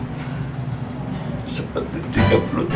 seperti tiga puluh tahun yang lalu